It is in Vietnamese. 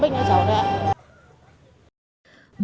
dùng để chữa bệnh